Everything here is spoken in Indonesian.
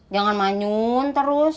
jangan manyun terus